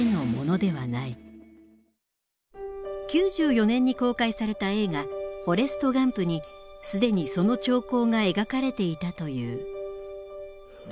９４年に公開された映画「フォレスト・ガンプ」にすでにその兆候が描かれていたという。